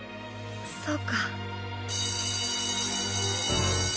そうか。